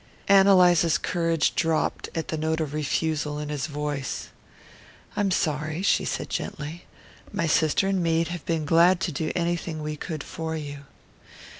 Ann Eliza's courage dropped at the note of refusal in his voice. "I'm sorry," she said gently. "My sister and me'd have been glad to do anything we could for you."